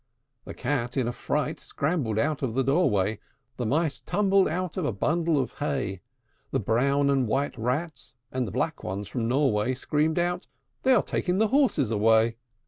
The Cat in a fright scrambled out of the doorway; The Mice tumbled out of a bundle of hay; The brown and white Rats, and the black ones from Norway, Screamed out, "They are taking the horses away!"